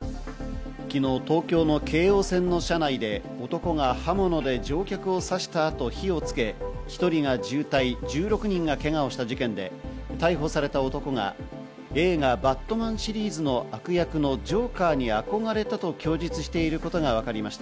昨日、東京の京王線の車内で男が刃物で乗客を刺して車内に火をつけ、１人が重体、１６人がけがをした事件で、逮捕された男が映画バットマンシリーズの悪役のジョーカーに憧れたと供述していることがわかりました。